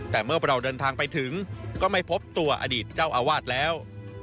แต่เมื่อเราเดินทางไปถึงก็ไม่พบตัวอดีตเจ้าอาวาสแล้ว